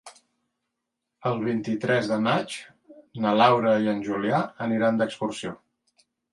El vint-i-tres de maig na Laura i en Julià aniran d'excursió.